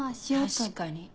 確かに。